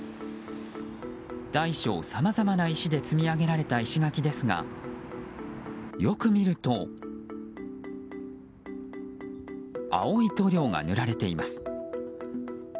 大小さまざまな石で積み上げられた石垣ですがよく見ると青い塗料が塗られています。